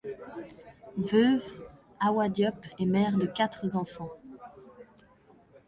Veuve, Awa Diop est mère de quatre enfants.